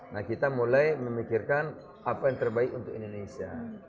nah kita mulai memikirkan apa yang terbaik untuk indonesia